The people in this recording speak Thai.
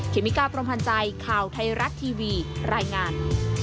เมกาพรมพันธ์ใจข่าวไทยรัฐทีวีรายงาน